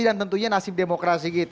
dan tentunya nasib demokrasi